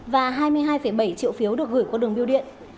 và hai mươi hai bảy triệu phiếu được gửi qua đường biêu điện